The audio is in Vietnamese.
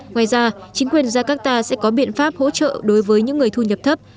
ngoài ra chính quyền jakarta sẽ có biện pháp hỗ trợ đối với những người thu nhập thấp